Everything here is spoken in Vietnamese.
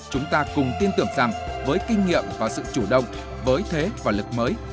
chúng ta cùng tin tưởng rằng với kinh nghiệm và sự chủ động với thế và lực mới